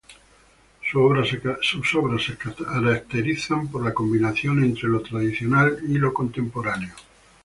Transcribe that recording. Sus obras se caracterizan por la combinación entre lo tradicional y lo contemporáneo.